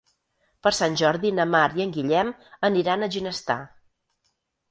Per Sant Jordi na Mar i en Guillem aniran a Ginestar.